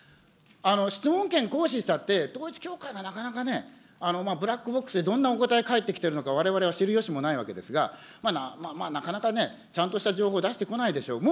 質問権行使したって、統一教会はなかなかね、ブラックボックスで、どんなお答え返ってきているのか、われわれは知る由もないわけですが、まあなかなかね、ちゃんとした情報出してこないでしょう。